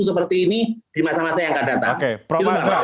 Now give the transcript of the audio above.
seperti ini di masa masa yang akan datang